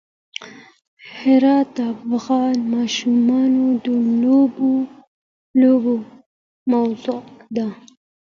هرات د افغان ماشومانو د لوبو موضوع ده.